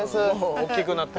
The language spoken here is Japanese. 大きくなった。